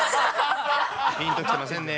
ぴんときてませんね。